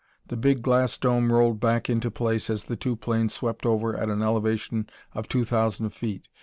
The big glass dome rolled back into place as the two planes swept over at an elevation of two thousand feet.